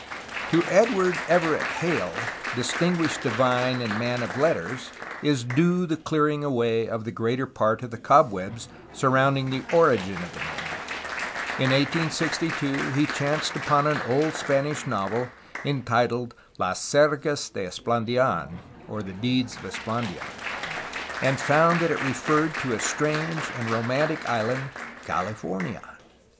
To Edward Everett Hale, distinguished divine and man of letters, is due the clearing away of the greater part of the cobwebs surrounding the origin of the name. In 1862 he chanced upon an old Spanish novel entitled Las sergas de Esplandidn (The deeds of Esplandian), and found that it referred to a strange and romantic island "California."